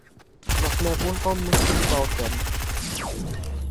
Noch mehr Wohnraum musste gebaut werden.